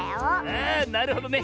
あなるほどね。